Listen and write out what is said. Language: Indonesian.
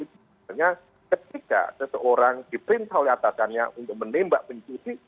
itu misalnya ketika seseorang diperintah oleh atasannya untuk menembak pencuri